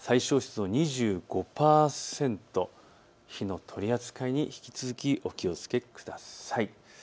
最小湿度２５％、火の取り扱いに引き続きお気をつけください。